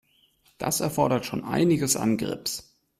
Das erfordert schon einiges an Grips.